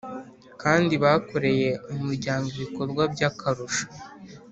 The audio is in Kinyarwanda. kandi bakoreye Umuryango ibikorwa by akarusho